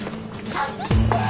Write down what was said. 走って！